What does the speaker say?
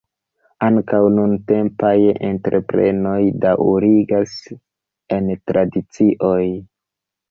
Ankaŭ nuntempaj entreprenoj daŭrigas en tradicioj.